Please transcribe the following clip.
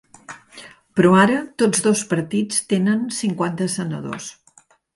Però ara tots dos partits tenen cinquanta senadors.